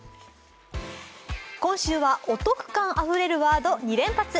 今週はお得感あふれるワード２連発。